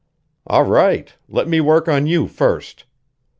"All right; let me work on you first."